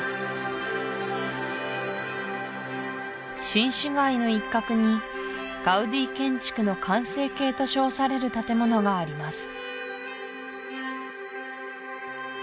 新市街の一角にガウディ建築の完成形と称される建物があります